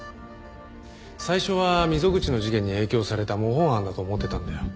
最初は溝口の事件に影響された模倣犯だと思ってたんだよ。